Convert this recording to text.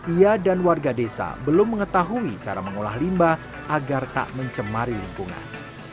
ia dan warga desa belum mengetahui cara mengolah limba agar tak mencemari lingkungan